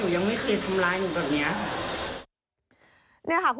หนูยังไม่เคยทำร้ายหนูแบบนี้